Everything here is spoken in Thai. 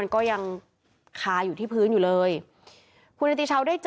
ขอบคุณครับ